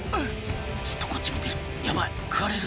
「ずっとこっち見てるヤバい食われる」